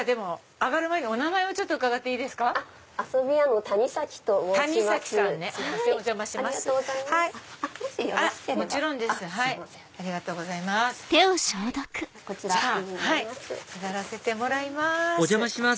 上がらせてもらいます。